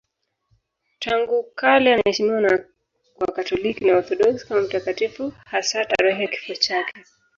Tangu kale anaheshimiwa na Wakatoliki na Waorthodoksi kama mtakatifu, hasa tarehe ya kifo chake.